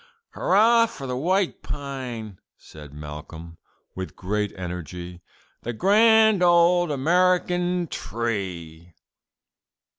'" "Hurrah for the white pine," said Malcolm, with great energy, "the grand old American tree!"